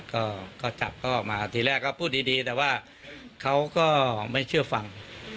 ก็จับก็ออกมาทีแรกก็พูดดีแต่ว่าเขาก็ไม่เชื่อฟัง